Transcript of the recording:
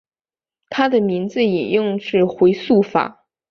他的名字引用自回溯法。